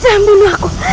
jangan bawa aku